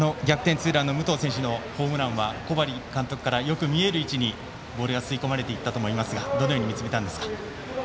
ツーランのホームランは、小針監督からよく見える位置にボールが吸い込まれていったと思いますがどのように見つめたんですか？